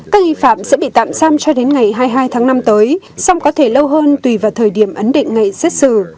các nghi phạm sẽ bị tạm giam cho đến ngày hai mươi hai tháng năm tới xong có thể lâu hơn tùy vào thời điểm ấn định ngày xét xử